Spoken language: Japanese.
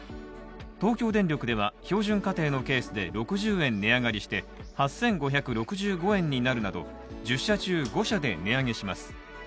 東京電力では、標準家庭のケースで６０円値上がりして８５６５円になるなど１０社中５社で値上げします。